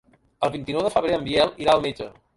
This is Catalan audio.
El vint-i-nou de febrer en Biel irà al metge.